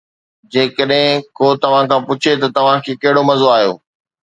جيڪڏهن ڪو توهان کان پڇي ته، توهان کي ڪهڙو مزو آيو؟